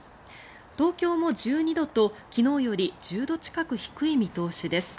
東京も１２度と、昨日より１０度近く低い見通しです。